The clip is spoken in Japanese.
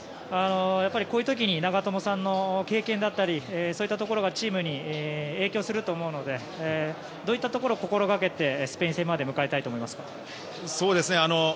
やっぱりこういう時に長友さんの経験だったりそういったところがチームに影響すると思うのでどういったところを心掛けてスペイン戦を迎えたいと思いますか？